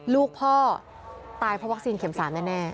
ลูกพ่อตายเพราะวัคซีนเข็ม๓แน่